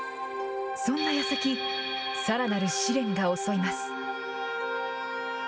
そんなやさき、さらなる試練が襲います。